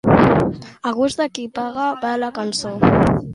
A gust de qui paga va la cançó.